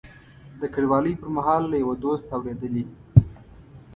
د کډوالۍ پر مهال له یوه دوست اورېدلي.